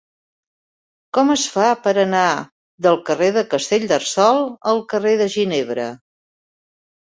Com es fa per anar del carrer de Castellterçol al carrer de Ginebra?